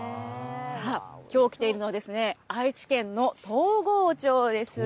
さあ、きょう来ているのは、愛知県の東郷町です。